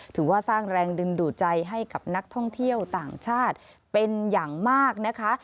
ถือว่าสร้างแรงดึงดูดใจให้กับนักท่องเที่ยวต่างชาติเป็นอย่างมากนะคะ